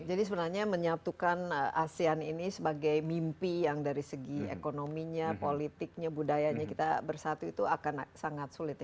jadi sebenarnya menyatukan asean ini sebagai mimpi yang dari segi ekonominya politiknya budayanya kita bersatu itu akan sangat sulit ya